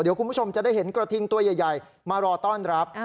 เดี๋ยวคุณผู้ชมจะได้เห็นกระทิงตัวใหญ่มารอต้อนรับ